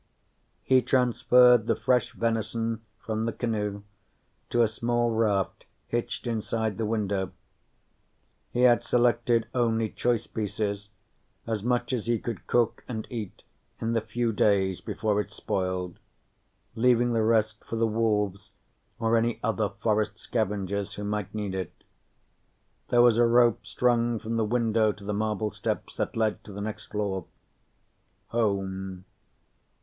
He transferred the fresh venison from the canoe to a small raft hitched inside the window. He had selected only choice pieces, as much as he could cook and eat in the few days before it spoiled, leaving the rest for the wolves or any other forest scavengers who might need it. There was a rope strung from the window to the marble steps that led to the next floor home.